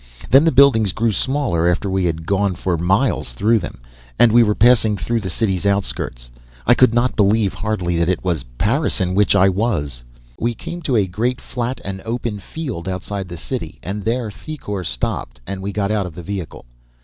Then the buildings grew smaller, after we had gone for miles through them, and we were passing through the city's outskirts. I could not believe, hardly, that it was Paris in which I was. "We came to a great flat and open field outside the city and there Thicourt stopped and we got out of the vehicle.